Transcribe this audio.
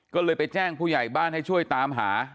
ก็เลยไปแจ้งผู้ใหญ่บ้านให้ช่วยตามหา